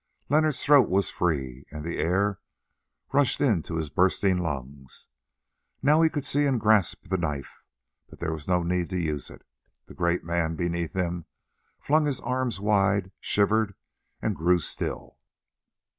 Leonard's throat was free, and the air rushed into his bursting lungs. Now he could see and grasp the knife, but there was no need to use it. The great man beneath him flung his arms wide, shivered, and grew still.